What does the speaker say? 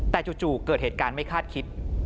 แต่จู่เกิดเหตุการณ์ไม่คาดคิด